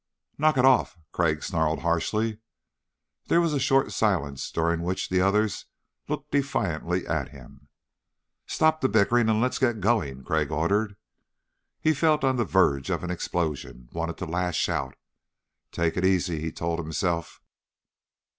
"Knock it off," Crag snarled harshly. There was a short silence during which the others looked defiantly at him. "Stop the bickering and let's get going," Crag ordered. He felt on the verge of an explosion, wanted to lash out. Take it easy, he told himself.